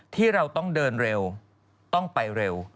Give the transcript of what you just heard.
ที่เราต้องเดินเร็วต้องไปเร็ว